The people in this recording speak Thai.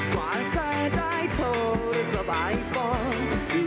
ความใส่ได้โทรสบายกว้าง